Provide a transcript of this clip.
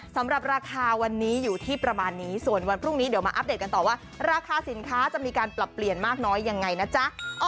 สำหรับราคาวันนี้อยู่ที่ประมาณนี้ส่วนวันพรุ่งนี้เดี๋ยวมาอัปเดตกันต่อว่าราคาสินค้าจะมีการปรับเปลี่ยนมากน้อยยังไงนะจ๊ะ